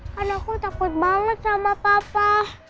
karena aku takut banget sama papa